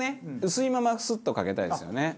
薄いままスッとかけたいですよね。